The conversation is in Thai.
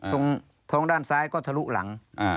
ตรงท้องด้านซ้ายก็ทะลุหลัง